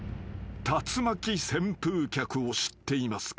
竜巻旋風脚を知っていますか？］